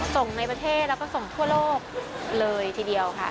ในประเทศแล้วก็ส่งทั่วโลกเลยทีเดียวค่ะ